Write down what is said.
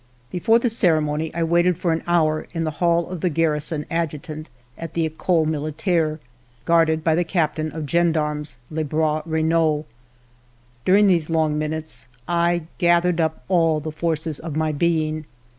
Before the ceremony, I waited for an hour in the hall of the garrison adjutant at the Ecole Militaire, guarded by the captain of gendarmes, Lebrun Renault. During these long minutes I gathered up all the forces of my being.